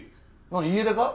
家出か？